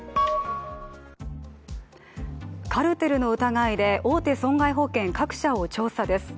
カルテルの疑いで大手損害保険各社を調査です